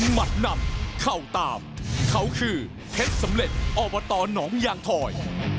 หมัดนำเข้าตามเขาคือเพชรสำเร็จอบตหนองยางถอย